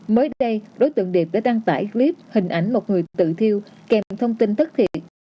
mới đây đối tượng điệp đã đăng tải clip hình ảnh một người tự thiêu kèm thông tin thất thiệt